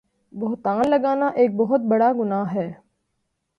بہتان لگانا ایک بہت بڑا گناہ ہے